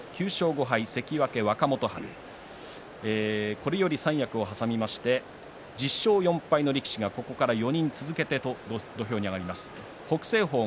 これより三役を挟みまして１０勝４敗の力士が４人続けて土俵に上がります。